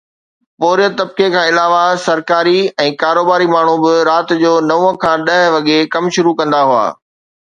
پورهيت طبقي کان علاوه سرڪاري ۽ ڪاروباري ماڻهو به رات جو نو کان ڏهه وڳي ڪم شروع ڪندا هئا